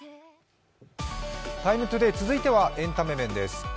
「ＴＩＭＥ，ＴＯＤＡＹ」続いてはエンタメ面です。